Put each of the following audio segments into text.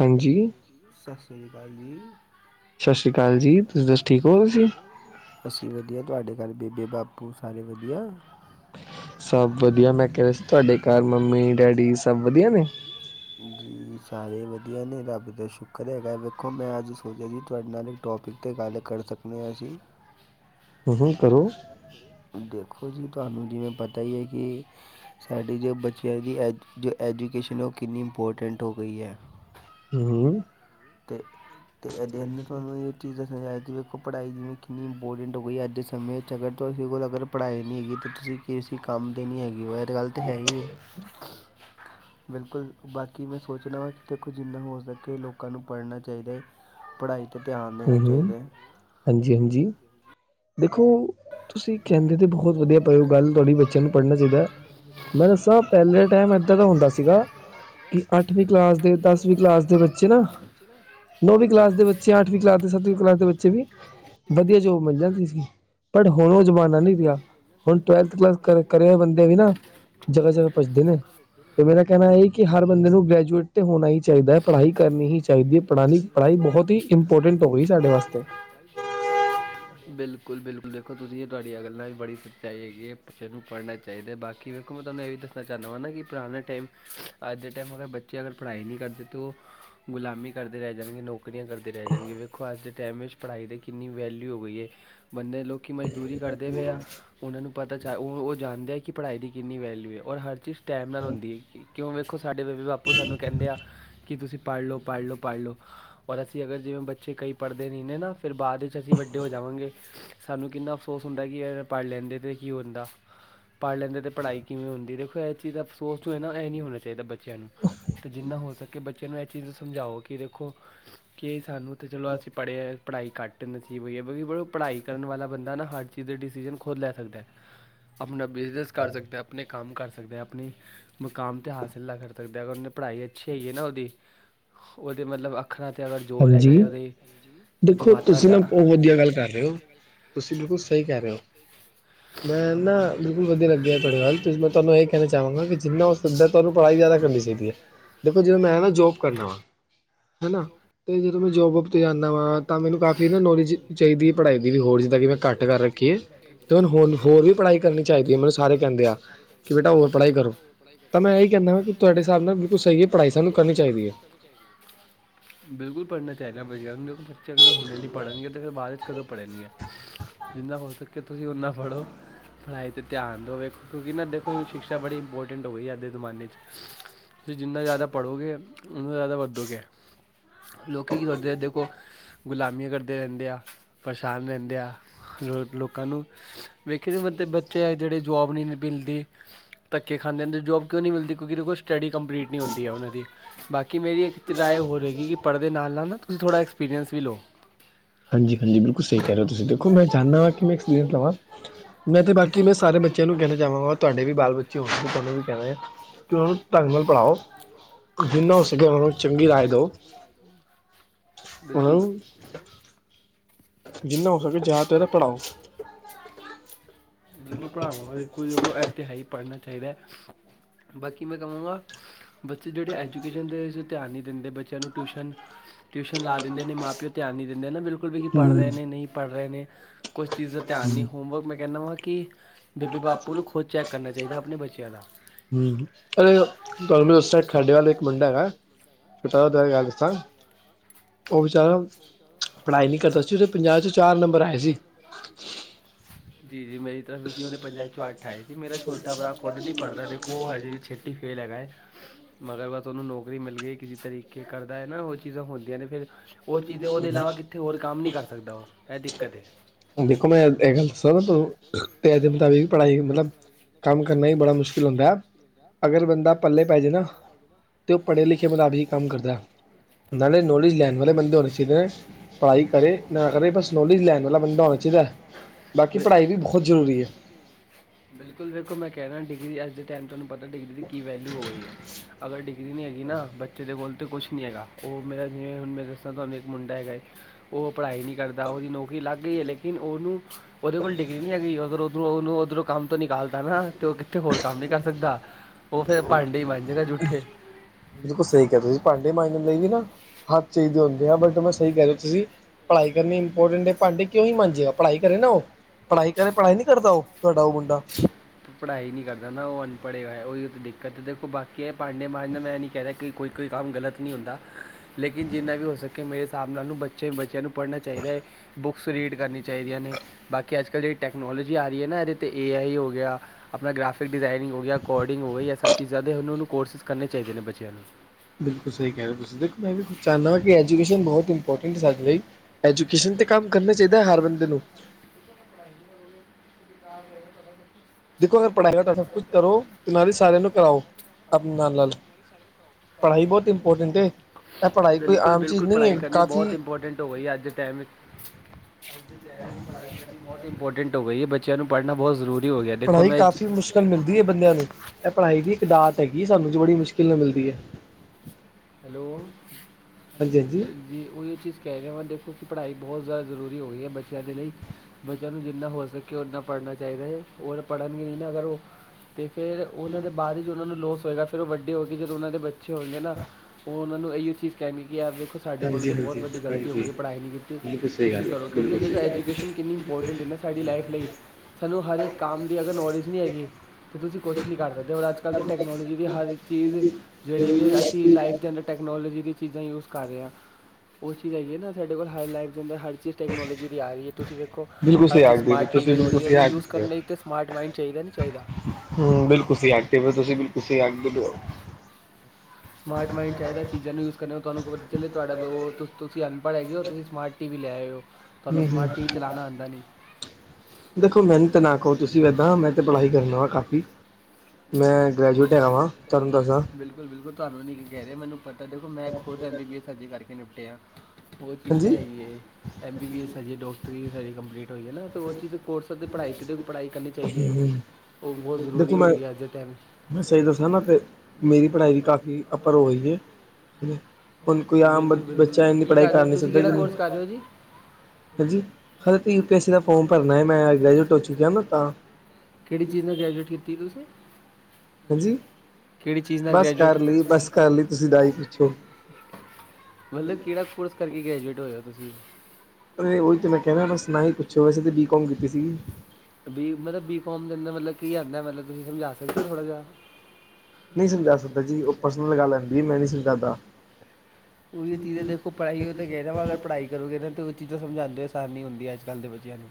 ਹਾਂਜੀ। ਸਤਿ ਸ਼੍ਰੀ ਅਕਾਲ ਜੀ। ਸਤਿ ਸ਼੍ਰੀ ਅਕਾਲ ਜੀ ਤੁਸੀਂ ਦੱਸ ਠੀਕ ਹੋ ਤੁਸੀਂ। ਅਸੀਂ ਵਧੀਆ ਤੁਹਾਡੇ ਘਰ ਬੇਬੇ ਬਾਪੂ ਸਾਰੇ ਵਧੀਆ? ਸਭ ਵਧੀਆ ਮੈਂ ਕਹਿ ਰਿਹਾ ਸੀ ਤੁਹਾਡੇ ਘਰ ਮੰਮੀ ਡੈਡੀ ਸਭ ਵਧੀਆ ਨੇ ਹਾਜੀ, ਸਾਰੇ ਵਧੀਆ ਨੇ ਰੱਬ ਦਾ ਸ਼ੁਕਰ ਹੈਗਾ ਵੇਖੋ ਮੈਂ ਅੱਜ ਸੋਚਿਆ ਜੀ ਤੁਹਾਡੇ ਨਾਲ ਇੱ ਟੋਪਿਕ ਤੇ ਗੱਲ ਕਰ ਸਕਦੇ ਹੈਜੀ। ਹੂੰਆ ਕਰੋ? ਦੇਖੋ, ਜੀ। ਤੁਹਾਨੂੰ ਜਿਵੇਂ ਪਤਾ ਹੈ ਕਿ ਸਾਡੇ ਜੋ ਬੱਚਿਆਂ ਦੀ ਐਜ ਜੋ ਐਜੂਕੇਸ਼ਨ ਉਹ ਕਿੰਨੀ ਇੰਪੋਰਟੈਂਟ ਹੋ ਗਈ ਹੈ। ਹੂੰ। ਤੇ, ਤੇ [unintelligible] ਤੁਹਾਨੂੰ ਇਹ ਤੁਸੀਜ਼ ਦੱਸਣਾ ਚ ਜਾਵੇ ਕਿ ਵੇਖੋ ਪੜ੍ਹਾਈ ਕਿੰਨੀ ਇੰਪੋਰਟੈਂਟ ਹੋ ਗਈ ਹੈ, ਅੱਜ ਦੇ ਸਮੇਂ ਅਗਰ ਤੁਹਾਡੇ ਕੋਲ ਅਗਰ ਪੜ੍ਹਾਈ ਨਹੀਂ ਹੈਗੀ ਤਾਂ ਤੁਸੀਂ ਏਸੀ ਕੰਮ ਦੇ ਨਹੀਂ ਹੈਗੇ ਉਹ ਇਹ ਤਾਂ ਗੱਲ ਤਾਂ ਹੈ ਈ ਨਹੀਂ। ਬਿਲਕੁਲ, ਬਾਕੀ ਮੈਂ ਸੋਚਦਾ ਵਾਂ ਕਿ ਦੇਖੋ ਜਿੰਨਾ ਹੋ ਸਕੇ ਲੋਕ ਲੋਕਾਂ ਨੂੰ ਪੜ੍ਹਨਾ ਚਾਹੀਦਾ। ਪੜ੍ਹਾਈ ਤੇ ਧਿਆਨ ਦੇਣਾ ਹੂੰ ਹੂੰ ਚਾਹੀਦਾ। ਵੇਖੋ, ਤੁਸੀਂ ਕਹਿੰਦੇ ਤੇ ਬਹੁਤ ਵਧੀਆ ਪਏਓ ਗੱਲ ਤੁਹਾਡੀ ਬੱਚਿਆਂ ਨੂੰ ਪੜ੍ਹਨਾ ਚਾਹੀਦਾ। ਮੇਰੇ ਸਭ ਪਹਿਲੇ ਟਾਈਮ ਏਦ ਏਦਾ ਓਔ ਹੁੰਦਾ ਸੀਗਾ, ਕੀ ਅੱਠਵੀਂ ਕਲਾਸ ਦੇ, ਦਸਵੀਂ ਕਲਾਸ ਦੇ, ਬੱਚੇ ਨਾ ਨੌਵੀਂ ਕਲਾਸ ਦੇ, ਬੱਚੇ ਅੱਠਵੀਂ ਕਲਾਸ ਦੇ, ਸੱਤਵੀਂ ਕਲਾਸ ਦੇ ਬੱਚੇ ਵੀ, ਵਧੀਆ ਜੋਬ ਮਿਲ ਜਾਂਦੀ ਸੀ। ਪਰ ਹੁਣ ਉਹ ਜ਼ਮਾਨਾ ਨਹੀਂ ਰਿਹਾ। ਹੁਣ ਟਵੈਲਥ ਕਲਾਸ ਕਰਾ, ਕਰਿਆ ਬੰਦੇ ਵੀ ਨਾ ਜਗ੍ਹਾ-ਜਗ੍ਹਾ ਭੱਜਦੇ ਨੇ। ਤੇ ਮੇਰਾ ਕਹਿਣਾ ਇਹ ਕਿ ਹਰ ਬੰਦੇ ਨੂੰ ਗ੍ਰੈਜੂਏਟ ਤੇ ਹੋਣਾ ਹੀ ਚਾਹੀਦਾ ਹੈ। ਪੜ੍ਹਾਈ ਕਰਨੀ ਹੀ ਚਾਹੀਦੀ ਏਪੜ੍ਹਾਈ ਪੜ੍ਹਾਈ, ਬਹੁਤ ਹੀ ਇੰਪੋਰਟੈਂਟ ਹੋਈ ਸਾਡੇ ਵਾਸਤੇ। ਬਿਲਕੁਲ-ਬਿਲਕੁਲ ਦੇਖੋ। ਤੁਸੀਂ ਤੁਹਾਡੀਆਂ ਗੱਲਾਂ ਬੜੀ ਸਚਾਈ ਹੈਗੀ ਏ ਬੱਚਿਆਂ ਨੂੰ ਪੜ੍ਹਨਾ ਚਾਹੀਦਾ ਬਾਕੀ ਵੇਖੋ ਮੈਂ ਤੁਹਾਨੂੰ ਇਹ ਵੀ ਦੱਸਣਾ ਚਾਹੁੰਦਾ ਵਾਂ ਕਿ ਪੁਰਾਣੇ ਟਾਈਮ ਅੱਜ ਦੇ ਟਾਈਮ ਅਗਰ ਬੱਚੇ ਬੱਚੇ ਅਗਰ ਪੜ੍ਹਾਈ ਨਹੀਂ ਕਰਦੇ ਤੋ ਉਹ ਗੁਲਾਮੀ ਕਰਦੇ ਰਹਿ ਜਾਣਗੇ ਨੌਕ ਨੌਕਰੀਆਂ ਕਰਦੇ ਰਹਿ ਜਾਣਗੇ। ਵੇਖੋ ਅੱਜ ਦੇ ਟਾਈਮ ਵਿੱਚ ਪੜ੍ਹਾਈ ਦੇ ਕਿੰਨੀ ਵੈਲਿਊ ਹੋ ਗਈ ਏ ਬੰਦੇ ਲੋਕ ਕੀਂ ਮਜ਼ਦੂਰੀ ਕਰਦੇ ਪਏ ਆ। ਉਹਨਾਂ ਨੂੰ ਪਤਾ ਚੱਲ ਉਹ ਉਹ ਜਾਣਦੇ ਆ ਕਿ ਪੜ੍ਹਾਈ ਦੀ ਕਿੰਨੀ ਵੈਲਿਊ ਐ। ਔਰ ਹਰ ਚੀਜ਼ ਟਾਈਮ ਨਾਲ ਹੁੰਦੀ ਏ। ਕਿ ਵੇਖੋ ਸਾਡੇ ਬੇਬੇ ਬਾਪੂ ਸਾਨੂੰ ਕਹਿੰਦੇ ਆ ਕਿ ਤੁਸੀਂ ਪੜ੍ਹ ਲਓ-ਪੜ੍ਹ ਲਓ ਪੜ੍ਹ ਲੳ। ਔਰ ਅਸੀਂ ਅਗਰ ਜਿਵੇਂ ਬੱਚੇ ਕਈ ਪੜ੍ਹਦੇ ਨਹੀਂ ਨੇ ਨਾ, ਫਿਰ ਬਾਅਦ ਵਿੱਚ ਅਸੀਂ ਵੱਡੇ ਹੋ ਜਾਵਾਂਗੇ। ਸਾਨੂੰ ਕਿੰਨਾ ਅਫਸੋਸ ਹੁੰਦਾ ਕਿ ਅ ਪੜ੍ਹ ਲੈਂਦੇ ਅਤੇ ਕੀ ਹੁੰਦਾ। ਪੜ੍ਹ ਲੈਂਦੇ ਤੇ ਪੜ੍ਹਾਈ ਕਿੰਨੀ ਹੁੰਦੀ ਦੇਖੋ, ਇਹ ਚੀਜ਼ ਅਫਸੋਸ ਇਹ ਨਹੀਂ ਹੋਣਾ ਚਾਹੀਦਾ ਬੱਚਿਆਂ ਨੂੰ ਅਤੇ ਜਿੰਨਾ ਹੋ ਸਕੇ ਬੱਚਿਆਂ ਨੂੰ ਇਹ ਚੀਜ਼ ਸਮਝਾਓ, ਕਿ ਦੇਖੋ ਕੀ ਸਾਨੂੰ ਤਾਂ ਚਲੋ ਅਸੀਂ ਪੜ੍ਹੇ ਹੈ। ਪੜ੍ਹਾਈ ਘੱਟ ਨਸੀਬ ਹੋਈ ਹੈ, ਬਿਲਕੁਲ ਬ ਪੜ੍ਹਾਈ ਕਰਨ ਵਾਲਾ ਬੰਦਾ ਨਾ ਹਰ ਚੀਜ਼ ਦੇ ਡਿਸੀਜ਼ਨ ਖੋ ਖੁਦ ਲੈ ਸਕਦਾ। ਆਪਣਾ ਬਿਜ਼ਨੇਸ ਕਰ ਸਕਦਾ, ਆਪਣੇ ਕੰਮ ਕਰ ਸਕਦਾ, ਆਪਣੀ ਮੁਕਾਮ ਤੇ ਹਾਸਿਲ ਕਰ ਸਕਦਾ। ਅਗਰ ਉਹਨ ਪੜ੍ਹਾਈ ਅੱਛੀ ਆਈ ਨਾ ਉਹਦੀ। ਉਹਦੇ ਮਤਲਬ ਅੱਖਣਾ ਤੇ ਅਗਰ ਜ਼ੋਰ ਹਾਂਜੀ ਹੈਗਾ ਉਹਦੇ ਦੇਖੋ ਜਮਾਤਾਂ ਤੁਸੀਂ 'ਚ ਨਾ ਬਹੁਤ ਵਧੀਆ ਗੱਲ ਕਰ ਰਹੇ ਹੋ। ਤੁਸੀਂ ਬਿਲਕੁਲ ਸਹੀ ਕਹਿ ਰਹੇ ਹੋ। ਮੈਂ ਨਾ ਬਿਲਕੁਲ ਵਧੀਆ ਲੱਗਿਆ ਤੁਹਾਡੇ ਨਾਲ ਤੁਸੀਂ ਮੈਂ ਤੁਹਾਨੂੰ ਇਹ ਕਹਿਣਾ ਚਾਹਵਾਂਗਾ ਕਿ ਜਿੰਨਾ ਸਦ ਤੁਹਾਨੂੰ ਪੜ੍ਹਾਈ ਜ਼ਿਆਦਾ ਕਰਨੀ ਚਾਹੀਦੀ ਏ। ਦੇਖੋ, ਜਿਂਵ ਮੈਂ ਨਾ ਜੋਬ ਕਰਨਾ ਵਾ ਹੈ ਨਾ ਤੇ ਜਦੋਂ ਮੈਂ ਜੋਬ ਵੋਬ ਤੇ ਜਾਨਾ। ਨਵਾਂ ਤਾਂ ਮੈਨੂੰ ਕਾਫ਼ੀ ਨਾ ਨੌਲੇਜ ਚਾਹੀਦੀ ਏ ਪੜ੍ਹਾਈ ਦੀ ਵੀ ਹੋਰ ਜਿੱਦਾਂ ਕਿ ਮੈਂ ਘੱਟ ਕਰ ਰੱਖੀ ਏ। ਤੇ ਹੁਣ ਹੋ ਹੋਰ ਵੀ ਪੜ੍ਹਾਈ ਕਰਨੀ ਚਾਹੀਦੀ ਹੈ ਮੈਨੂੰ ਸਾਰੇ ਕਹਿੰਦੇ ਆ ਕਿ ਬੇਟਾ ਹੋਰ ਪੜ੍ਹਾਈ ਕਰੋ। ਤਾਂ ਮੈਂ ਏਹੀ ਕਝਨਾਂ ਵਾ ਕਿ ਤੁਹਾਡੇ ਹਿਸਾਬ ਨਾਲ ਬਿਲਕੁਲ ਸਹੀ ਪੜ੍ਹਾਈ ਸਾਨੂੰ ਕਰਨੀ ਚਾਹੀਦੀ ਏ। ਬਿਲਕੁਲ ਪੜ੍ਹਨਾ ਚਾਹੀਦਾ ਬਈਆ ਨਖੰ ਬੱਚੇ ਅਗਰ ਹੁਨੇ ਨਹੀਂ ਪੜਨਗੇ ਤੇ ਫਿਰ ਬਾਅਦ ਵਿੱਚ ਕਦੋਂ ਪੜ੍ਹਨਗੇਂ। ਜਿੰਨਾ ਹੋ ਸਕੇ ਤੁਸੀਂ ਓਨਾ ਪੜ੍ਹੋ, ਪੜ੍ਹਾਈ ਤੇ ਧਿਆਨ ਦਿਉ ਵੇਖੋ ਤੁਸੀ ਨਾ ਦੇਖੋ ਸ਼ਿਕਸ਼ਾ ਬੜੀ ਇੰਪੋਰਟੈਂਟ ਹੋ ਗਈ ਅੱਜ ਦੇ ਜ਼ਮਾਨੇ 'ਚ। ਤੁਸੀਂ ਜਿੰਨਾ ਜ਼ਿਆਦਾ ਪੜ੍ਹੋਗੇ, ਉਨਾ ਜ਼ਿਆਦਾ ਵੱਧੋਗੇ। ਲੋਕ ਕੀ ਕਰਦੇ ਦੇਖੋ ਗੁਲਾਮੀਆਂ ਕਰ ਕਰ ਦੇ ਰਹਿੰਦੇ ਆ ਪਰੇਸ਼ਾਨ ਰਹਿੰਦੇ ਆ ਲੋਕਾਂ ਨੂੰ ਵੇਖੇ ਨੀ ਬੱਚੇ ਜਿਹੜੇ ਜ ਜੋਬ ਨਹੀਂ ਮਿਲਦੀ। ਧੱਕੇ ਖਾਂਦੇ ਹੁੰਦੇ ਜੋਬ ਕਿਉਂ ਨਹੀਂ ਮਿਲਦੀ ਕਿਉਂਕਿ ਦੇਖਲ ਸਟੱਡੀ ਕੰਪਲੀਟ ਨਹੀਂ ਹੁੰਦੀ ਐ ਉਹਨਾਂ ਦੀ। ਬਾਕੀ ਮੇਰੀ ਇੱਕ ਰਾਏ ਹੋਰ ਰ ਹੈਗੀ ਕਿ ਪੜ੍ਹਦੇ ਨਾਲ ਨਾਲ ਨਾ ਤੁਸੀਂ ਥੋੜ੍ਹਾ ਐਕਸਪੀਰੀਅੰਸ ਵੀ ਲਓ। ਹਾਂਜੀ- ਹਾਂਜੀ ਬਿਲਕੁਲ ਸਹੀ ਕਹਿ ਰਹੇ ਤੁਸੀਂ, ਦੇਖੋ ਮੈਂ ਚਾਹਨਾਂ ਵਾਂ ਕਿ ਮੈਂ ਐਕਸਪੀਰੀਅਸ ਕਰਾਂ ਮੈਂ ਤੇ ਬਾਕੀ ਮੈਂ ਸਾਰੇ ਬੱਚਿਆਂ ਨੂੰ ਕਹਿਣਾ ਚਾਹਵਾਂਗਾ, ਤੁਹਾਡੇ ਵੀ ਬਾਲ ਬੱਚੇ ਹੋਣ ਤੁਹਾਨੂੰ ਵੀ ਕਹਿਣਾ ਆ ਢੰਗ ਨਾਲ ਪੜ੍ਹਾਓ, ਜਿੰਨਾ ਹੋ ਸਕੇ ਉਹਨਾਂ ਨੂੰ ਚੰਗੀ ਰਾਏ ਦਿਓ ਓਨਾਂ ਬਿਲਕੁਲ ਨੂੰ ਜਿੰਨਾ ਹੋ ਸਕੇ ਜਿਆਦਾਤਰ ਪੜਾਓ। ਬਿਲਕੁਲ ਪੜਾਵਾਂ ਐ ਇਹ ਤੇ ਹੈ ਈ ਪੜ੍ਹਨਾ ਚਾਹੀਦਾ, ਬਾਕੀ ਮੈਂ ਕਵਗਾ ਬੱਚੇ ਜਿਹੜੇ ਐਜੂਕੇਸ਼ਨ ਦੇ ਵਿੱਚ ਧਿਆਨ ਨਹੀਂ ਦਿੰਦੇ, ਬੱਚਿਆਂ ਨੂੰ ਟਿਊਸ਼ਨ- ਟਿਊਸ਼ਨ ਲਾ ਦਿੰਦੇ ਨੇ ਮਾਂ ਪਿਓ ਧਿਆਨ ਨੀ ਦਿੰਦੇ ਨਾ ਬਿਲਕੁਲ ਵੀ ਪੜ੍ਹ ਰਹੇ ਹਮ ਨੇ ਨਹੀਂ ਪੜ੍ਹ ਰਹੇ ਨੇ, ਕੁਛ ਚੀਜ਼ ਦਾ ਧਿਆਨ ਨਹੀਂ, ਹੋਮਵਰਕ ਮੈਂ ਕਹਿਨਾ ਵਾਂ ਕਿ ਬੇਬੇ -ਬਾਪੂ ਨੂੰ ਖੁਦ ਚੈੱਕ ਕਰਨਾ ਚਾਹੀਦਾ ਆਪਣੇ ਬੱਚਿਆਂ ਦਾ। ਹੂੰ, ਤੁਹਾਨੂੰ ਮੈਂ ਦਸਾਂ ਸਾਡੇ ਅਲ ਇੱਕ ਮੁੰਡਾ ਹੈਗਾ ਕੇ ਤਾਹੀਓਂ ਤੁਹਾਨੂੰ ਗੱਲ ਦਸਾਂ ਉਹ ਵਿਚਾਰਾ ਪੜ੍ਹਾਈ ਨਹੀਂ ਕਰਦਾ ਸੀ, ਉਦੇ ਪੰਜਾਹ 'ਚ ਚਾਰ ਨੰਬਰ ਆਏ ਸੀ। ਜੀ- ਜੀ ਮੇਰੀ ਵੀ ਸੀ ਉਹਦੇ ਪੰਜਾਂ ਚੋਂ ਅੱਠ ਆਏ ਸੀ, ਮੇਰਾ ਛੋਟਾ ਭਰਾ ਖੁਦ ਨਹੀਂ ਪੜਦਾ, ਦੇਖੋ ਉਹ ਹਜੇ ਵੀ ਛੇਤੀ ਫੇਲ੍ਹ ਹੈਗਾ ਏ। ਮਗਰ ਵੈ ਤੁਹਾਨੂੰ ਨੌਕਰੀ ਮਿਲ ਗਈ, ਕਿਸੇ ਤਰੀਕੇ ਕਰਦਾ ਐ ਨਾ ਉਹ ਚੀਜ਼ਾਂ ਹੁੰਦੀਆਂ ਨੇ ਫਿਰ ਉਹ ਚੀਜ਼ ਉਹਦੇ ਇਲਾਵਾ ਕਿੱਥੇ ਹੋਰ ਕੰਮ ਨਹੀਂ ਕਰ ਸਕਦਾ ਉਹ, ਐ ਦਿੱਕਤ ਐ। ਹੁਣ ਦੇਖੋ ਮੈਂ ਇਹ ਗੱਲ ਦੱਸਾਂ ਤੇ ਏਦੇ ਮੁਤਾਬਿਕ ਪੜ੍ਹਾਈ ਮਤਲਬ, ਕੰਮ ਕਰਨਾ ਵੀ ਬੜਾ ਮੁਸ਼ਕਿਲ ਹੁੰਦਾ। ਅਗਰ ਬੰਦਾ ਪੱਲੇ ਪੈ ਜੇ ਨਾ, ਤਾਂ ਉਹ ਪੜ੍ਹੇ ਲਿਖੇ ਮੁਤਾਬਕ ਕੰਮ ਕਰਦਾ। ਨਾਲੇ ਨੋਲੇਜ ਲੈ ਬੰਦੇ ਹੋਣੇ ਚਾਹੀਦੇ, ਪੜ੍ਹਾਈ ਕਰੇ ਨਾ ਕਰੇ, ਬਸ ਨੌਲੇਜ ਲੈਣ ਵਾਲਾ ਬੰਦਾ ਹੋਣਾ ਚਾਹੀਦਾ। ਬਾਕੀ ਵੇ- ਪੜ੍ਹਾਈ ਵੀ ਬਹੁਤ ਜ਼ਰੂਰੀ ਐ। ਬਿਲਕੁਲ ਦੇਖੋ ਮੈਂ ਕਹਿ ਰਿਹਾ ਡਿਗਰੀ ਅੱਜ ਦੇ ਟਾਈਮ ਤੁਹਾਨੂੰ ਪਤਾ ਡਿਗਰੀ ਦੀ ਕੀ ਵੈਲਿਊ ਹੋ ਰਹੀ ਐ ਅਗਰ ਡਿਗਰੀ ਨੀ ਹੈਗੀ ਨਾ, ਬੱਚੇ ਦੇ ਕੋਲ ਤੇ ਕੁਛ ਨਹੀਂ ਹੈਗਾ। ਉਹ ਮੇਰਾ ਜਿਵੇਂ, ਹੁਣ ਮੇਰੇ ਦੱਸਾਂ ਤੁਹਾਨੂੰ ਇੱਕ ਮੁੰਡਾ ਹੈਗਾ ਐ ਉਹ ਪੜ੍ਹਾਈ ਨਹੀਂ ਕਰਦਾ, ਓਹਦੀ ਨੌਕਰੀ ਲੱਗ ਏ ਲੇਕਿਨ ਉਹਨੂੰ ਉਹਦੇ ਕੋਲ ਡਿਗਰੀ ਨੀ ਹੈਗੀ, ਉਧਰ -ਉਧਰ ਉਹਨੂੰ ਉਧਰ ਕੰਮ ਤੋਂ ਨਿਕਾਲ ਤਾ ਨਾ ਤੇ ਉਹ ਕਿੱਥੇ ਹੋਰ ਕੰਮ ਨੀ ਕਰ ਸਕਦਾ, ਉਹ ਫਿਰ ਭਾਂਡੇ ਮਾਂਜੇ ਗਾ ਜੂਠੇ। ਬਿਲਕੁਲ ਸਹੀ ਕਹਿ ਰਹੇ ਓ ਤੁਸੀਂ, ਭਾਂਡੇ ਮਾਂਜਣ ਲਈ ਵੀ ਨਾ ਹੱਥ ਚਾਹੀਦੇ ਹੁੰਦੇ ਆ, ਬਟ ਮੈਂ ਸਹੀ ਕਹਿ ਰਹੇ ਤੁਸੀਂ ਪੜ੍ਹਾਈ ਕਰਨੀ ਇੰਪੋਰਟੈਂਟ ਐ ਭਾਂਡੇ ਕਿਉਂ ਹੀ ਮਾਜੇਗਾ, ਪੜ੍ਹਾਈ ਕਰੇ ਨਾ ਓ, ਪੜ੍ਹਾਈ ਕਰੇ ਪੜ੍ਹਾਈ ਨੀ ਕਰਦਾ ਓ, ਤੁਹਾਡਾ ਓ ਮੁੰਡਾ? ਪੜ੍ਹਾਈ ਨੀ ਕਰਦਾ ਨਾ ਉਹ ਅਨਪੜ੍ਹ ਐ, ਉਹੀ ਤਾਂ ਦਿੱਕਤ ਦੇਖੋ ਬਾਕੀ ਇਹ ਭਾਂਡੇ ਮਾਂਜੇ ਦਾ ਮੈਂ ਨੀ ਕਹਿ ਰਿਹਾ ਕਿ ਕੋਈ ਕੋਈ ਕੰਮ ਗਲਤ ਨਹੀਂ ਹੁੰਦਾ, ਲੇਕਿਨ ਜਿੰਨਾ ਵੀ ਹੋ ਸਕੇ ਮੇਰੇ ਹਿਸਾਬ ਨਾਲ ਬੱਚੇ ਬੱਚਿਆਂ ਨੂੰ ਪੜ੍ਹਨਾ ਚਾਹੀਦਾ ਐ, ਬੁੱਕ ਸ ਰੀਡ ਕਰਨੀਆਂ ਚਾਹੀਦੀਆਂ ਨੇ, ਬਾਕੀ ਅੱਜ ਕੱਲ੍ਹ ਜਿਹੜੀ ਟੈਕਨਲਜੀ ਆ ਰਹੀ ਹੈ ਨਾ ਇਹਦੇ 'ਤੇ ਏ ਆਈ ਹੋ ਗਿਆ ਆਪਨਾ ਗ੍ਰਾਫਿਕ ਡਿਜ਼ਾਇਨਿੰਗ ਹੋ ਗਿਆ ਆ, ਕੋਰਡਿੰਗ ਹੋ ਗਈ ਜਾਂ ਸਭ ਚੀਜ਼ਾਂ ਦੇ ਓਨਾਂ ਨੂੰ ਕੋਰਸਿਸ ਕਰਨੇ ਚਾਹੀਦੇ ਨੇ ਬੱਚਿਆਂ ਨੂੰ। [inaudible] ਬਿਲਕੁਲ ਸਹੀ ਕਹਿ ਰਹੇ ਤੁਸੀ, ਦੇਖੋ ਮੈਂ ਵੀ ਚਾਹਨਾ ਵਾ ਕਿ ਐਜੂਕੇਸ਼ਨ ਬਹੁਤ ਇੰਪੋਰਟੈਂਟ ਐ ਸਾਡੇ ਲਈ, ਐਜੂਕੇਸ਼ਨ 'ਤੇ ਕੰਮ ਕਰਨਾ ਚਾਹੀਦਾ ਹਰ ਬੰਦੇ ਨੂੰ। ਕਿਦਾਂ ਹੋਇਆ ਫਿਰ ਦੇਖੋ ਅਗਰ ਪੜ੍ਹਾਏਗਾ ਤਾਂ ਸਭ ਕੁਛ ਕਰੋ ਤੇ ਨਾਲ ਹੀ ਸਾਰਿਆਂ ਨੂੰ ਕਰਾਓ, ਆਪਣੇ ਨਾਲ-ਨਾਲ। ਪੜ੍ਹਾਈ ਬਹੁਤ ਇੰਪੋਰਟੈਂਟ ਏ। ਬਿਲਕੁਲ -ਬਿਲਕੁਲ ਪੜ੍ਹਾਈ ਕਰਨੀ ਬਹੁਤ ਇੰਪੋਰਟੈਂਟ ਹੋ ਗਈ ਏ, ਅੱਜ ਦੇ ਟਾਈਮ 'ਚ ਵਿੱਚ ਪੜਾਈ ਕਰਨੀ ਬੋਤ ਇੰਪੋਰਟੈਂਟ ਹੋ ਗਈ ਐ ਬੱਚੇਆਂ ਨੂੰ ਪੜਨਾ ਬੋਤ ਜ਼ਰੂਰੀ ਹੋ ਗਿਆ ਦੇਖੋ ਪੜਾਈ ਮੈਂ ਕਾਫ਼ੀ ਮੁਸ਼ਕਿਲ ਮੁਸ਼ਕਿਲ ਮਿਲਦੀ ਏ ਬੰਦੇਆਂ ਨੂੰ ਏ ਪੜਾਈ ਦੀ ਇੱਕਦਾਤ ਹੈਗੀ ਐ ਸਾਨੂੰ ਜੋ ਬੜੀ ਮੁਸ਼ਕਿਲ ਨੂੰ ਮਿਲਦੀ ਐ। ਹੈਲੋ ਹਾਂਜੀ-ਹਾਂਜੀ, ਹਾਂਜੀ ਓਈ ਕੇ ਗਿਆ ਵਾ ਦੇਖੋ ਕਿ ਪੜਾਈ ਬੋਹ ਜ਼ਾਅਦਾ ਜ਼ਰੂਰੀ ਹੋ ਗਈ ਐ, ਬੱਚੇਆਂ ਦੇ ਲਈ ਬੱਚੇਆਂ ਨੂੰ ਜਿੰਨਾ ਹੋ ਸਕੇ ਓਨਾ ਪੜਨਾ ਚਾਈਦਾ ਐ ਓ ਪੜਨਗੇ ਨਈਂ ਨਾ ਅਗਰ ਓ ਤੇ ਫੇਰ ਓਨਾਂ ਦੇ ਬਾਦ ਵਿੱਚ ਓਨਾਂ ਨੂੰ ਲੋਸ ਹੋਏਗਾ ਫਿਰ ਓ ਵੱਡੇ ਹੋ ਕੇ ਜਦੋਂ ਓਨਾਂ ਦੇ ਬੱਚੇ ਹੋਨਗੇ ਨਾ ਓ ਓਨਾਂ ਨੂੰ ਏਓ ਚੀਜ਼ ਕੈਨਗੇ ਕਿ ਆਪ ਸਾਡੇ ਕੋਲ ਤੇ ਬੋਤ ਹਾਂਜੀ-ਹਾਂਜੀ, ਵੱਡੀ ਹਾਂਜੀ ਗਲਤੀ ਹੋ ਹਾਂਜੀ ਗਈ ਏ ਹਾਂਜੀ ਪੜਾਈ ਨਈਂ ਕੀਤੀ ਬਿਲਕੁਲ ਸਹੀ ਤੁਸੀਂ ਗੱਲ ਹੈ ਕਰੋ ਕਿਉਂਕਿ ਬਿਲਕੁਲ ਦੇਖੋ ਸਹੀ। ਐਜੂਕੇਸ਼ਨ ਕਿੰਨੀ ਇੰਪੋਟੈਂਟ ਐ ਨਾ ਸਾਡੀ ਲਾਈਫ ਲਈ ਸਾਨੂੰ ਹਰ ਇੱਕ ਕੰਮ ਦੀ ਅਗਰ ਨੌਲੇਜ ਨੀ ਐਗੀ ਤਾਂ ਤੁਸੀਂ ਕੁਛ ਨੀ ਕਰ ਸਕਦੇ ਔਰ ਅੱਜ-ਕੱਲ ਤਾਂ ਟੈਕਨੋਲੋਜੀ ਵੀ ਹਰ ਚੀਜ ਜ਼ੇੜੀ ਵੀ ਅਸੀਂ ਲਾਈਫ ਤਾਨੂੰ ਟੈਕਨੋਲੋਜੀ ਦੀ ਚੀਜ਼ਾਂ ਯੂਜ ਕਰ ਰੇਆ ਓ ਚੀਜ਼ ਐਗੀ ਐ ਨਾ ਸਾਡੇ ਕੋਲ ਹਰ ਲਾਈਫ ਦੇ ਅੰਦਰ ਹਰ ਚੀਜ਼ ਟੈਕਨੋਲੋਜੀ ਦੀ ਆ ਰਈ ਐ ਤੁਸੀਂ ਵੇਖੋ ਬਿਲਕੁਲ ਹਰ ਸਹੀ ਚੀਜ਼ ਆਖਦੇ ਪਏ ਸਮਾਰਟ ਟੀ ਤੁਸੀਂ ਵੀ ਹੋ ਬਿਲਕੁਲ ਰਈ ਆ ਸਹੀ ਓਨੂੰ ਯੂਜ ਆਖਦੇ ਕਰਨ ਲਈ ਸਮਾਰਟ ਮਾਈਂਡ ਚਾਈਦਾ ਨੀ ਚਾਈਦਾ। ਹੂੰ ਬਿਲਕੁਲ ਸਈ ਆਖਦੇ ਪਏ ਓ ਤੁਸੀਂ ਬਿਲਕੁਲ ਸਈ ਆਖਦੇ ਪਏ ਓ। ਸਮਾਰਟਮਾਈਂਡ ਚਾਈਦਾ ਚੀਜ਼ਾਂ ਨੂੰ ਯੂਜ ਕਰਨ ਤੁਆਨੂੰ ਪਤਾ ਚੱਲੇ ਤੁਆਡਾ ਲੋ ਤੁਸੀਂ ਅਨਪੜ ਐਗੇ ਓ ਤੁਸੀਂ ਸਮਾਰਟ ਟੀ ਵੀ ਲੈ ਆਏਓ ਤੁਆਨੂੰ ਹੂੰ-ਹੂੰ ਸਮਾਰਟ ਟੀ ਵੀ ਚਲਾਨਾ ਆਂਦਾ ਨੀ ਦੇਖੋ ਮੈਨੂੰ ਤਾਂ ਨਾ ਕਓ ਤੁਸੀਂ ਏਦਾਂ ਮੈਂ ਤੇ ਪੜਾਈ ਕਰਨਾ ਵਾ ਕਾਫ਼ੀ ਮੈਂ ਗ੍ਰੈਜੂਏਟ ਹੈਗਾ ਵਾਂ ਤੁਆਨੂੰ ਦੱਸਾਂ। ਬਿਲਕੁਲ-ਬਿਲਕੁਲ ਤੁਆਨੂੰ ਨੀ ਕੈ ਰਿਆ ਮੈਨੂੰ ਪਤਾ ਦੇਖੋ ਮੈਂ ਖੁਦ ਐਮ ਬੀ ਬੀ ਐੱਸ ਅੱਜ ਕਰਕੇ ਨਿਪਟੇਆ। ਓ ਚੀਜ਼ ਤੇ ਹਾਂਜੀ ਹੈਗੀ ਏ ਐਮ ਬੀ-ਬੀ ਐੱਸ ਹਜੇ ਡੋਕਟਰੀ ਸਾਡੀ ਕੰਪਲੀਟ ਹੋਈ ਐ ਨਾ ਓ ਚੀਜ਼ ਕੋਰਸ ਪੜਾਈ ਤੇ ਦੇਖੋ ਪੜਾਈ ਕਰਨੀ ਚਾਈਦੀ ਏ ਓ ਬੋਤ ਜ਼ਰੂਰੀ ਦੇਖੋ ਹੋ ਮੈਂ ਗਈ ਅੱਜ ਦੇ ਟੈਮ ਚ ਮੈਂ ਸਈ ਦੱਸਾਂ ਨਾ ਤੇ ਮੇਰੀ ਪੜਾਈ ਵੀ ਕਾਫ਼ੀ ਅੱਪਰ ਹੋ ਗਈ ਐ। ਹੁਨ ਕੋਈ ਆਮ ਬਿਲਕੁਲ ਬਿਲਕੁਲ ਬੱ-ਬੱਚਾ ਇੰਨੀ ਕੀ ਪੜਾਈ ਰਹੇ ਕਰ ਹੋ ਨੀ ਤੁਸੀਂ ਸਕਦਾ ਕਿਹੜਾ ਜਿੰਨੀ ਕੋਰਸ ਕਰ ਕੋ ਰਹੇ ਹੋ ਜੀ ਹਾਂਜੀ ਹਲੇ ਤਾਂ ਯੂ ਪੀ ਐੱਸੀ ਦਾ ਫੋਮ ਭਰਨਾ ਐ ਮੈਂ [unintelligible] ਗਾ ਤਾਂ ਕੇੜੀ ਚੀਜ਼ ਨਾਲ ਗ੍ਰੈਜੂਏਟ ਕੀਤੀ ਤੁਸੀਂ? ਹੈਂਜੀ? ਕਿਹੜੀ ਚੀਜ਼ ਨਾਲ ਬਸ ਗ੍ਰੈਜੂਏਟ ਕਰ ਲਈ ਬਸ ਕਰ ਲਈ ਤੁਸੀਂ ਨਾ ਈ ਪੁੱਛੋ। ਮਤਲਬ ਕੇੜਾ ਕੋਰਸ ਕਰਕੇ ਗ੍ਰੈਜੂਏਟ ਹੋਏ ਓ ਤੁਸੀਂ? ਓਈ ਤੇ ਮੈਂ ਕੈਣਾ ਨਾ ਈ ਪੁੱਛੋ ਵੈਸੇ ਤੇ ਬੀਕੌਮ ਕੀਤੀ ਸੀਗੀ। ਬੀ ਮਤਲਬ ਬੀਕੌਮ ਦੇਨਾ ਕੀ ਕਰਦਾ ਮਤਲਬ ਤੁਸੀਂ ਸਮਝਾ ਸਕਦੇ ਥੋੜਾ ਜਾ? ਨਈਂ ਸਮਝਾ ਸਕਦਾ ਜੀ ਓ ਪਰਸਨਲ ਗੱਲ ਆਂਦੀ ਮੈਂ ਨੀ ਸਮਝਾਂਦਾ। ਤੁਸੀਂ ਏ ਚੀਜ਼ ਦੇਖੋ। ਪੜਾਈ ਓ ਤਾਂ ਕੈਂਦਾ ਵਾਂ ਅਗਰ ਪੜਾਈ ਕਰੋਗੇ ਤੇ ਓ ਚੀਜ਼ਾਂ ਸਮਝਾਂਦੇ ਆਸਾਨੀ ਹੁੰਦੀ ਆ, ਅੱਜ-ਕੱਲ ਦੇ ਬੱਚੇਆਂ ਨੂੰ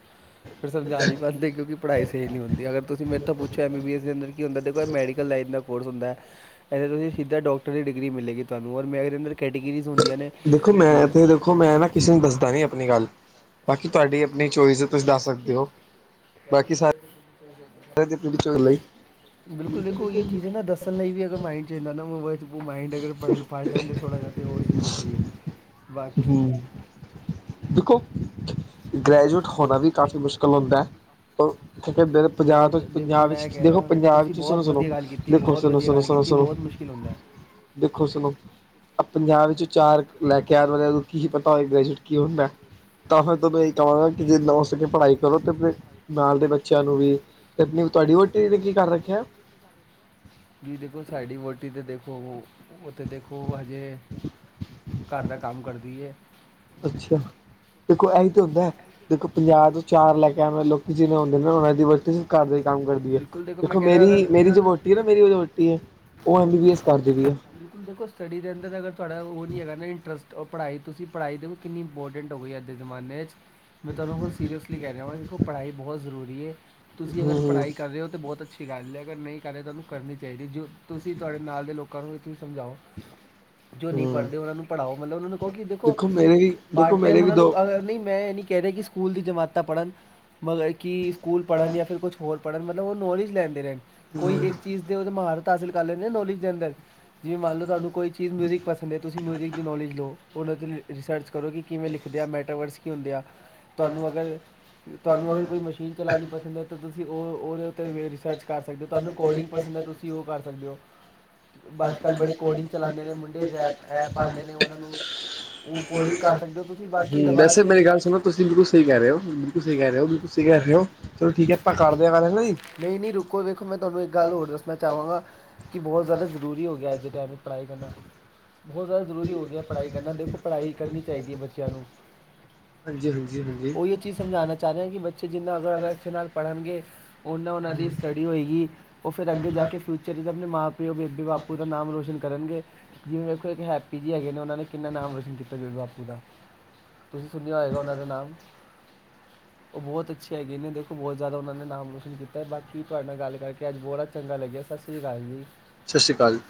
ਫਿਰ ਸਮਝਾ ਨੀ ਪਾਂਦੇ ਕਿਉਂਕਿ ਪੜਾਈ ਸਈ ਨਈ ਹੁੰਦੀ ਅਗਰ ਤੁਸੀਂ ਮੇਰੇ ਤੋਂ ਪੁੱਛੋ ਐੱ ਬੀ ਬੀ ਐੱਸ ਦੇ ਅੰਦਰ ਕੀ ਹੁੰਦਾ ਦੇਖੋ ਏ ਮੈਡੀਕਲ ਲਾਈਨ ਕੋਰਸ ਹੁੰਦੈ। ਇੱਥੇ ਤੁਸੀਂ ਸਿੱਦਾ ਡੌਕਟਰੀ ਡਿਗਰੀ ਮਿਲੇਗੀ ਤੁਆਨੂੰ ਔਰ ਮੈਂ ਅੰਦਰ ਕੈਟਗਰੀਜ਼ ਹੁੰਦੀਆਂ ਨੇ। ਦੇਖੋ ਮੈਂ ਜੀ ਤੇ ਦੇਖੋ ਮੈਂ ਨਾ ਕਿਸੇ ਨੂੰ ਦੱਸਦਾ ਨੀ ਆਪਨੀ ਗੱਲ ਬਾਕੀ ਤੁਆਡੀ ਆਪਨੀ ਚੋਇਸ ਤੁਸੀਂ ਦੱਸ ਸਕਦੇ ਓ ਬਾਕੀ ਸਾਰੇ ਬਿਲਕੁਲ ਦੇਖੋ ਏ ਚੀਜ਼ ਏ ਨਾ ਤਾਂ ਨਈਂ ਵੀ ਅਗਰ ਮਾਈਂਡ ਚਾਈਦਾ ਨਾ ਓ ਓ ਮਾਈਂਡ ਅਗਰ ਪੜ-ਪੜ ਲੈਂਦੇ ਥੋੜਾ ਜਾ ਤੇ ਓ ਸਿੱਖਦੀ ਐ, ਬਾਕੀ ਹਮ ਦੇਖੋ ਗ੍ਰੈਜੂਏਟ ਹੋਨਾ ਵੀ ਕਾਫੀ ਮੁਸ਼ਕਿਲ ਹੁੰਦਾ, ਓ ਕਿ ਪੰਜਾਬ ਬਹੁਤ ਤੋਂ ਦੇਖੋ ਪੰਜਾਬ ਮੈਂ ਵਿੱਚ ਕਹਿ ਦੇਖੋ ਰਿਹਾ ਪੰਜਾਬ ਤੁਸੀਂ ਵਿੱਚ ਬਹੁਤ ਸੁਨੋ-ਸੁਨੋ ਦੇਖੋ ਸੁਨੋ, ਸੁਨੋ, ਸੁਨੋ, ਸੁਨੋ ਫੀਲ ਹੁੰਦਾ ਐ। ਦੇਖੋ ਸੁਣੋ ਪੰਜਾਹ ਵਿੱਚੋਂ ਚਾਰ ਲੈਕੇ ਆਣ ਵਾਲਿਆਂ ਨੂੰ ਕੀ ਪਤਾ ਹੋਏ, ਗ੍ਰੈਜੂਏਟ ਕੀ ਹੁੰਦੈ। ਤਾਂ ਫੇਰ ਤੁਆਨੂੰ ਏਹੀ ਕਹਾਂਗਾ ਕਿ ਜੀਨਾ ਹੋ ਸਕੇ ਪੜ੍ਹਾਈ ਕਰੋ, ਤਾਂ ਫਿਰ ਨਾਲ ਦੇ ਬੱਚਿਆਂ ਨੂੰ ਵੀ। ਤੇ ਅਪਨੀ ਤੁਆਡੀ ਵੋਟੀ ਨੇ ਕੀ ਕਰ ਰੱਖਿਐ? ਜੇ ਦੇਖੋ ਸਾਡੀ ਵੋਟੀ ਤੇ ਦੇਖੋ ਓਤੇ ਦੇਖੋ ਹਜੇ [inaudible] ਘਰ ਦਾ ਕੰਮ ਕਰਦੀਏ। ਅੱਛਾ। ਦੇਖੋ ਇਹੀ ਤਾਂ ਹੁੰਦਾ ਹੈ ਦੇਖੋ ਪੰਜਾਹ ਤੋਂ ਚਾਰ ਲੈਕੇ ਆਂਦੇ ਲੋਕੀ ਜਿਵੇੇ ਹੁੰਦੇ ਨੇ ਨਾ ਓਨਾਂ ਦੀ ਵਰਤ ਘਰ ਦਾ ਹੀ ਕੰਮ ਕਰਦੀ ਐ ਬਿਲਕੁਲ [inaudible] ਮੈਂ ਦੇਖੋ ਕਹਿ ਰਿਹਾ ਅਗਰ ਮੇਰੀ ਮੇਰੀ ਜੋ ਵੋਟੀ ਏਨਾ ਮੇਰੀ ਜੋਂ ਵੋਟੀ ਏ ਓ ਐਮ ਬੀ ਬੀ ਐਸ ਕਾਰ ਦੀ ਪਈਏ। ਬਿਲਕੁਲ ਦੇਖੋ ਸਟੱਡੀ ਦੇ ਅੰਦਰ ਅਗਰ ਤੁਆਡਾ ਓ ਨੀਂ ਹੈਗਾ ਨਾ ਇੰਟਰਸਟ, ਔਰ ਤੁਸੀ ਪੜ੍ਹਾਈ ਦੇਖੋ ਕਿੰਨੀ ਇੰਪੋਟਿੰਟ ਰੀਐ ਅੱਜ ਦੇ ਜਮਾਨੇ 'ਚ ਮੈਂ ਤੁਆਨੂੰ ਹੁਨ ਸੀਰੀਅਸਲੀ ਕੈ ਰੇਆ ਵਾਂ ਦੇਖੋ, ਪੜ੍ਹਾਈ ਬੋਤ ਜਰੂਰੀ ਏ ਤੁਸੀ ਅਗਰ ਹੂੰ ਪੜਾਈ ਕਰ ਰੇਓ ਤਾਂ ਬੋਤ ਅੱਛੀ ਗੱਲ ਐ ਅਗਰ ਨਈ ਕਰਰੇ ਤਾਂ ਤੁਆਨੂੰ ਕਰਨੀ ਚਾਈਦੀਏ, ਜੋ ਤੁਸੀ ਤੁਆਡੇ ਨਾਲ ਦੇ ਲੋਕਾਂ ਨੂੰ ਤੁਸੀ ਸਮਜਾਓ ਜੋ ਨਈਂ ਹੂੰ ਪੜਦੇ ਓਨਾਂ ਨੂੰ ਪੜਾਓ ਮਤਲਬ ਓਨਾਂ ਨੂੰ ਕਹੋ ਕਿ ਦੇਖੋ ਮੇਰੇ ਵੀ ਪਾਰਟ ਦੇਖੋ ਟੈਮ ਮੇਰੇ ਵੀ ਓਨਾਂ ਨੂੰ ਦੋ ਅਗਰ ਨਈਂ ਮੈਂ ਏ ਨੀ ਕੈ ਰੇਆ ਕਿ ਸਕੂਲ ਦੀਆਂ ਜਮਾਤਾਂ ਪੜਨ ਮਤਲਬ ਕਿ ਸਕੂਲ ਪੜਨ ਯਾਂ ਫਿਰ ਕੁਛ ਹੋਰ ਪੜਨ ਮਤਲਬ ਨੌਲੇਜ ਲੈਂਦੇ ਰੈਂਣ। ਕੋਈ ਏਕ ਚੀਜ ਦੇ ਮਹਾਰਥ ਹਾਸਿਲ ਕਰ ਲੈਣ ਆ ਨੌਲੇਜ ਦੇ ਅੰਦਰ ਜਿਵੇਂ ਮੰਨ ਲਉ ਤੁਆਨੂੰ ਕੋਈ ਮਿਊਜ਼ਿਕ ਪਸੰਦ ਐ, ਤੁਸੀਂ ਮਿਊਜ਼ਿਕ ਦੀ ਨੌਲੇਜ ਲਓ। ਹੁਨ ਅਸੀ ਰਸਰਚ ਕਰੋ ਕਿ ਕਿਵੇਂ ਲਿਖਦੇ ਆ ਮੈਟਾਵਰਸ ਕੀ ਹੁੰਦੇ ਆ ਤੁਆਨੂੰ ਅਗਰ ਤੁਆਨੂੰ ਅਗਰ ਕੋਈ ਮਸ਼ੀਨ ਚਲਾਣੀ ਪਸੰਦ ਐ ਤਾਂ ਤੁਸੀਂ ਓ ਓਦੇ ਉੱਤੇ ਰਸਰਚ ਕਰ ਸਕਦੇ ਓ, ਤੁਆਨੂੰ ਕੋਡਿੰਗ ਪਸੰਦੈ ਤੁਸੀਂ ਤੁਸੀ ਓ ਕਰ ਸਕਦੇਓ, ਅੱਜ-ਕੱਲ ਬੜੇ ਕੋਡਿੰਗ ਚਲਾਂਦੇ ਨੇ [unintelligible] ਹੂੰ, ਮੁੰਡੇ ਰੈਪ ਐਪ ਆਉਂਦੇ ਨੇ ਉਹਨਾਂ ਨੂੰ ਉਹ ਕੋਡਿੰਗ ਕਰ ਸਕਦੇ ਹੋ ਤੁਸੀਂ ਬਾਕੀ ਦਬਾ ਵੈਸੇ ਕੇ ਮੇਰੀ ਗੱਲ ਸੁਣੋ ਤੁਸੀਂ ਬਿਲਕਲ ਸਈ ਕੈ ਰੇਓ, ਬਿਲਕੁਲ ਸਈ ਕੈ ਰੇਓ, ਬਿਲਕੁਲ ਸਈ ਕੈ ਰੇਓ। ਨਈਂ-ਨਈਂ ਰੁਕੋ ਵੇਖੋ ਮੈਂ ਤੁਆਨੂੰ ਇੱਕ ਗੱਲ ਹੋਰ ਦੱਸਣਾ ਚਾਵਾਂਗਾ ਕਿ ਬੋਤ ਜਾਦਾ ਜਰੂਰੀ ਹੋ ਗਿਆ ਅੱਜ ਦੇ ਟਾਈਮ 'ਚ ਪੜਾਈ ਕਰਨਾ। ਬੋਤ ਜਾਦਾ ਜਰੂਰੀ ਹੋ ਗਿਆ ਪੜਾਈ ਕਰਨਾ ਦੇਖੋ, ਪੜਾਈ ਕਰਨੀ ਚਾਈਦੀ ਐ ਬੱਚੇਆਂ ਨੂੰ। ਹਾਂਜੀ-ਹਾਂਜੀ, ਹਾਂਜੀ। ਸਮਜਾਨਾ ਚਾਹ ਰੇਆਂ ਕਿ ਬੱਚੇ ਜਿੰਨਾ ਅਗਰ ਅਗਰ ਅਛੇ ਨਾਲ ਪੜਨਗੇ, ਓਨਾਂ ਓਨਾਂ ਦੀ ਸਟੱਡੀ ਹੋਏਗੀ ਓ ਫੇਰ ਅੱਗੇ ਜਾ ਕੇ ਫਿਊਚ ਅਪਨੇ ਮਾਂ-ਪਿਓ, ਬੇਬੇ-ਬਾਪੂ ਦਾ ਨਾਮ ਰੋਸ਼ਨ ਕਰਨਗੇ। ਜਿਵੇਂ ਵੇਖੋ ਏਕ ਹੈਪੀ ਜੀ ਹੈਗੇ ਨੇ ਓਹਨਾਂ ਨੇ ਕਿੰਨਾ ਨਾਮ ਰੋਸ਼ਨ ਕੀਤਾ ਬੇਬੇ-ਬਾਪੂ ਦਾ। ਤੁਸੀਂ ਸੁਨੇਆ ਹੋਏਗਾ ਓਨਾਂ ਦਾ ਨਾਮ, ਓ ਬੋਤ ਅੱਛੇ ਹੈਗੇ ਨੇ। ਬੋਤ ਜਾਦਾ ਓਹਨਾਂ ਨੇ ਨਾਮ ਰੋਸ਼ਨ ਕੀਤਾ ਬਾਕੀ ਤੁਆਡੇ ਨਾਲ ਗੱਲ ਕਰਕੇ ਅੱਜ ਬੋੜਾ ਚੰਗਾ ਲੱਗੇਆ, ਸਸ ਸ੍ਰੀ ਕਾਲ ਜੀ। ਸਸ ਸ਼ੀ ਕਾਲ ਜੀ।